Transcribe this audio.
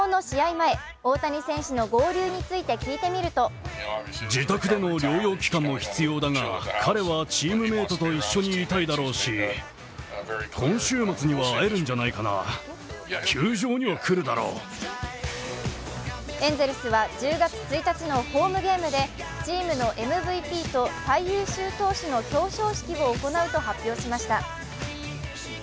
前、大谷選手の合流について聞いてみるとエンゼルスは１０月１日のホームゲームで、チームのＭＶＰと最優秀投手の表彰式を行うと発表しました。